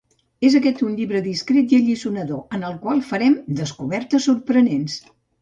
És aquest un llibre distret i alliçonador, en el qual farem descobertes sorprenents.